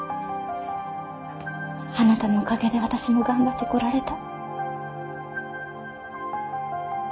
あなたのおかげで私も頑張ってこられた。